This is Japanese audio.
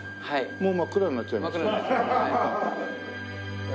もう真っ暗になっちゃいました。